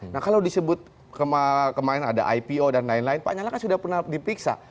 nah kalau disebut kemarin ada ipo dan lain lain pak nyala kan sudah pernah diperiksa